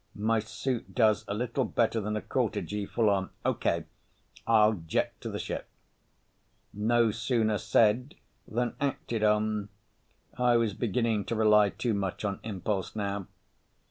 My suit does a little better than a quarter G full on. Okay. I'll jet to the ship._ No sooner said than acted on—I was beginning to rely too much on impulse now.